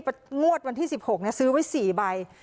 ประงวดวันที่๑๖นี่ซื้อไว้๔ใบ